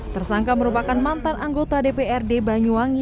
tersangka merupakan mantan anggota dprd banyuwangi